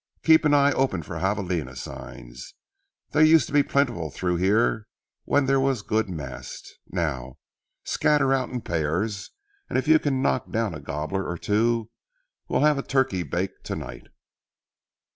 Keep an eye open for javalina signs; they used to be plentiful through here when there was good mast. Now, scatter out in pairs, and if you can knock down a gobbler or two we'll have a turkey bake to night."